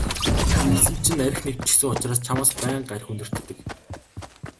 Арьсанд чинь архи нэвччихсэн учир чамаас байнга архи үнэртдэг.